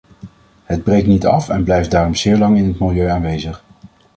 Het breekt niet af en blijft daarom zeer lang in het milieu aanwezig.